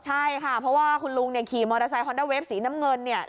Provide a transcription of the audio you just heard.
ใช่ค่ะเพราะว่าคุณลุงเนี่ยขี่มอเตอร์ไซคอนด้าเวฟสีน้ำเงินเนี่ย